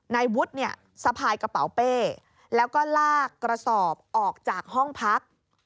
นายวุฒิเนี่ยสะพายกระเป๋าเป้แล้วก็ลากกระสอบออกจากห้องพัก